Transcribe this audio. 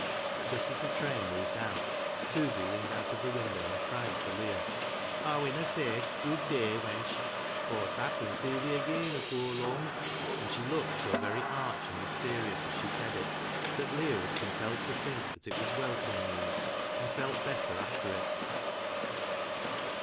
Just as the train moved out, Susy leaned out of the window and cried to Leah —" Aw winna say ' Gooid day,' wench, Aw'st happen see thi ageean afoor lung." And she looked so very arch and mysterious as she said it, that Leah was compelled to think that it was welcome news, and felt better after it.